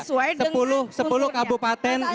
sepuluh kabupaten yang terburuk stunting itu